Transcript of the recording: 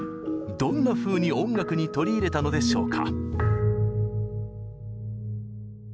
どんなふうに音楽に取り入れたのでしょうか？